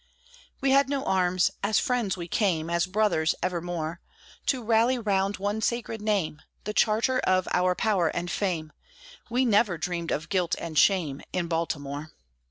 We had no arms; as friends we came, As brothers evermore, To rally round one sacred name The charter of our power and fame: We never dreamed of guilt and shame In Baltimore.